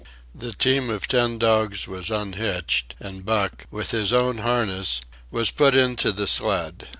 The team of ten dogs was unhitched, and Buck, with his own harness, was put into the sled.